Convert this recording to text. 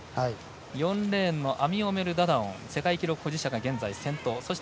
４レーンのアミオメル・ダダオン世界記録保持者が現在先頭。